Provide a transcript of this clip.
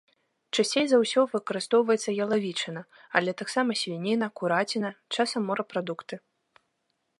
Часцей за ўсё выкарыстоўваецца ялавічына, але таксама свініна, кураціна, часам морапрадукты.